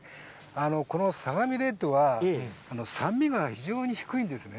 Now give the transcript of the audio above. この相模レッドは、酸味が非常に低いんですね。